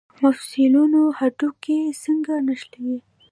مفصلونه هډوکي څنګه نښلوي؟